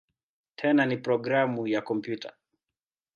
Tena ni programu ya kompyuta.